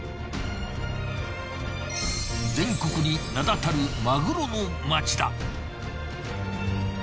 全国に名だたるマグロの街だ。